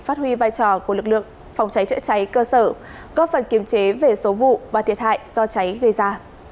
phát huy vai trò của lực lượng phòng cháy chữa cháy cơ sở góp phần kiềm chế về số vụ và thiệt hại do cháy gây ra